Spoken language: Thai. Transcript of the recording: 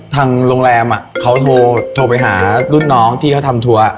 ทางโรงแรมเขาโทรไปหารุ่นน้องที่เขาทำทัวร์